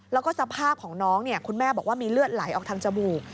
แล้วก็สภาพของน้องคุณแม่บอกว่ามีเลือดไหลออกทางจมูก